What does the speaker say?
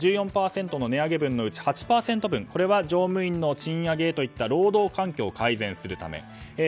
１４％の値上げ分のうち８％分は乗務員の賃上げなどといった労働環境を改善するため。